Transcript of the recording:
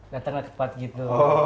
dateng lah cepat gitu